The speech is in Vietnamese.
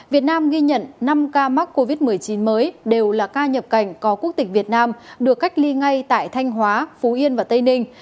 việt nam ghi nhận năm ca mắc covid một mươi chín mới đều là ca nhập cảnh có quốc tịch việt nam được cách ly ngay tại thanh hóa phú yên và tây ninh